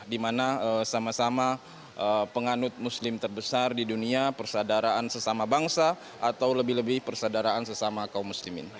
di mana sama sama penganut muslim terbesar di dunia persadaraan sesama bangsa atau lebih lebih persadaraan sesama kaum muslimin